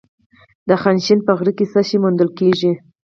د خانشین په غره کې څه شی موندل کیږي؟